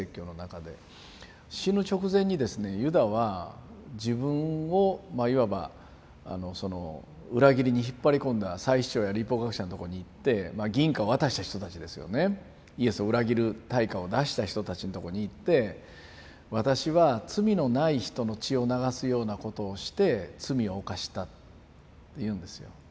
死ぬ直前にですねユダは自分をまあいわばその裏切りに引っ張り込んだ祭司長や律法学者のとこに行ってまあ銀貨を渡した人たちですよねイエスを裏切る対価を出した人たちのとこに行って私は罪のない人の血を流すようなことをして罪を犯したって言うんですよ。